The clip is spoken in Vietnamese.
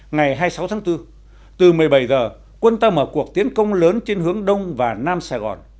ngày hai mươi sáu tháng bốn từ một mươi bảy giờ quân ta mở cuộc tiến công lớn trên hướng đông và nam sài gòn